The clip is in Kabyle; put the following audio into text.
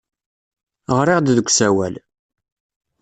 Ɣriɣ-d deg usawal.